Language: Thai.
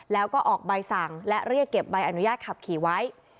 แล้วก็ออกใบสั่งและเรียกเก็บใบอนุญาตขับขี่ไว้